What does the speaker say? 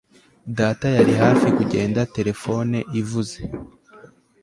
Data yari hafi kugenda telefone ivuze